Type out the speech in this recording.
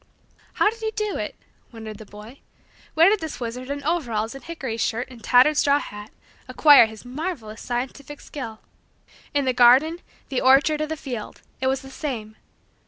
How did he do it wondered the boy where did this wizard in overalls and hickory shirt and tattered straw hat acquire his marvelous scientific skill? In the garden, the orchard, or the field, it was the same.